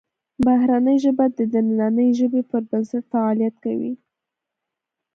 بهرنۍ ژبه د دنننۍ ژبې پر بنسټ فعالیت کوي